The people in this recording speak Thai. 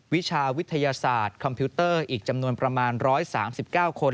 วิชาวิทยาศาสตร์คอมพิวเตอร์อีกจำนวนประมาณ๑๓๙คน